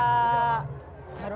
sering enggak cuma beberapa